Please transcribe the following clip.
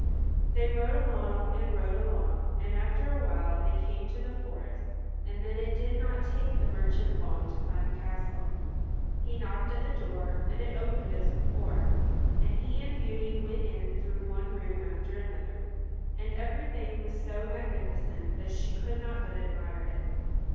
They rode along and rode along and after awhile they came to the forest, and then it did not take the merchant long to find the castle. He knocked at the door, and it opened as before, and he and Beauty went in through one room after another, and everything was so magnificent that she could not but admire it.